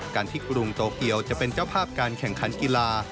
การที่กรุงโตเกียวจะเป็นเจ้าภาพการแข่งขันกีฬา